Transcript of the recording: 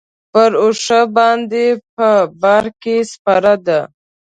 پر اوښ باندې په بار کې سپره ده.